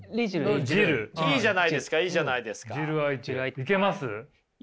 いけます？